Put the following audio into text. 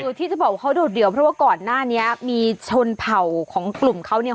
ที่จะบอกว่าเขาโดดเดี่ยวเพราะว่าก่อนหน้านี้มีชนเผ่าของกลุ่มเขาเนี่ย